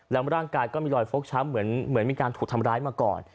แล้วร่างกายก็มีรอยฟกช้ำเหมือนมีการถูกทำร้ายมาก่อน